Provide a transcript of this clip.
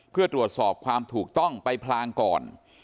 เพื่อตรวจสอบความถูกต้องไปพลางก่อน